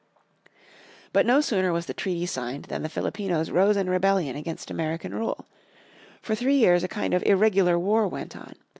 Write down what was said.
But no sooner was the treaty signed than the Filipinos rose in rebellion against American rule. For three years a kind of irregular war went on.